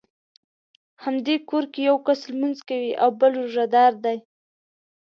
همدې کور کې یو کس لمونځ کوي او بل روژه دار دی.